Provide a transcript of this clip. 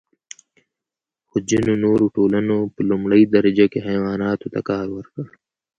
خو ځینو نوو ټولنو په لومړۍ درجه کې حیواناتو ته کار ورکړ.